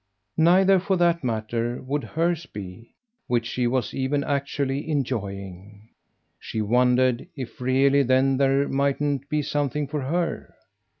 Neither, for that matter, would hers be which she was even actually enjoying. She wondered if really then there mightn't be something for her.